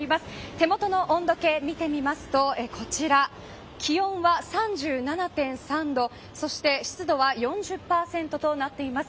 手元の温度計、見てみますとこちら気温は３７．３度そして湿度は４０％となっています。